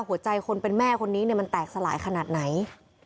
หัวใจคนเป็นแม่คนนี้มันแตกสลายขนาดไหน